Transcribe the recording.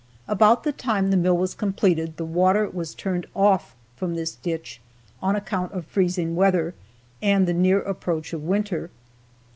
About the time the mill was completed the water was turned off from this ditch on account of freezing weather and the near approach of winter.